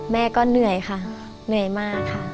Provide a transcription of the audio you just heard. แม่ก็เหนื่อยค่ะเหนื่อยมากค่ะ